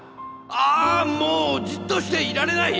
ああもうじっとしていられない！